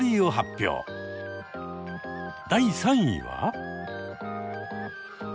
第３位は？